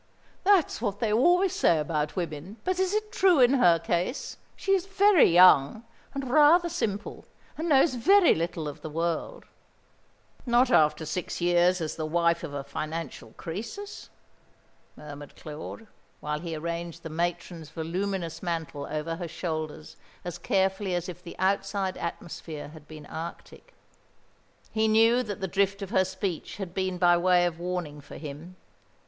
"That's what they always say about women; but is it true in her case? She is very young, and rather simple, and knows very little of the world." "Not after six years as the wife of a financial Croesus?" murmured Claude, while he arranged the matron's voluminous mantle over her shoulders as carefully as if the outside atmosphere had been arctic. He knew that the drift of her speech had been by way of warning for him.